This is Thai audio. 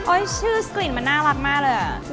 ชื่อกลิ่นมันน่ารักมากเลยอ่ะ